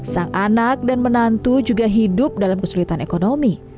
sang anak dan menantu juga hidup dalam kesulitan ekonomi